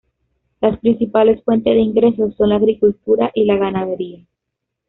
Las principales fuentes de ingresos son la agricultura y la ganadería.